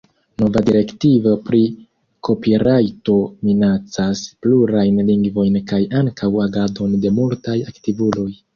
Nova direktivo pri kopirajto minacas plurajn lingvojn kaj ankaŭ agadon de multaj aktivuloj.